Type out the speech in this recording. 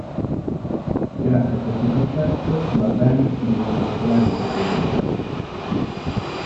Grazie a questo successo, la band divenne popolare in tutto il globo.